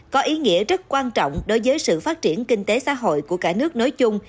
có ý nghĩa rất quan trọng đối với sự phát triển kinh tế xã hội của cả nước nói chung